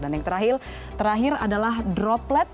dan yang terakhir terakhir adalah droplet